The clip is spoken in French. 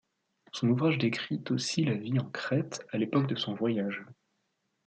Son ouvrage décrit aussi la vie en Crète à l'époque de son voyage.